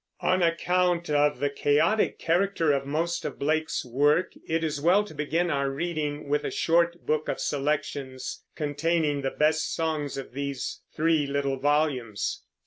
On account of the chaotic character of most of Blake's work, it is well to begin our reading with a short book of selections, containing the best songs of these three little volumes.